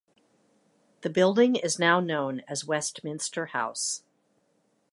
The building is now known as Westminster House.